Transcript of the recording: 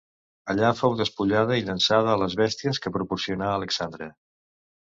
Allà fou despullada i llançada a les bèsties que proporcionà Alexandre.